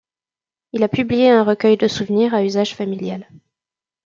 Il a publié un recueil de souvenirs à usage familial.